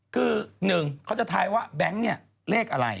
คือ๑เขาจะท้ายว่าแบงค์เนี่ยเลขอะไร